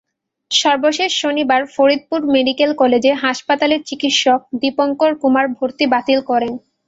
সর্বশেষ শনিবার ফরিদপুর মেডিকেল কলেজে হাসপাতালের চিকিৎসক দীপংকর কুমার ভর্তি বাতিল করেন।